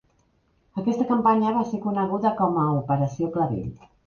Aquesta campanya va ser coneguda com a Operació Clavell.